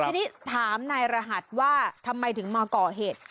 ทีนี้ถามนายรหัสว่าทำไมถึงมาก่อเหตุ